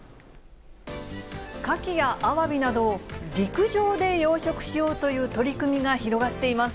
カキやアワビなど、陸上で養殖しようという取り組みが広がっています。